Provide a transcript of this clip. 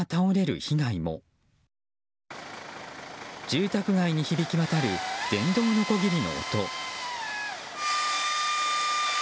住宅街に響き渡る電動のこぎりの音。